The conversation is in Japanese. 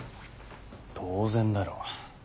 当然だろ。